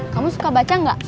kamu suka baca enggak